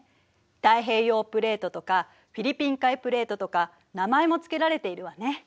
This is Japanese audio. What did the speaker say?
太平洋プレートとかフィリピン海プレートとか名前も付けられているわね。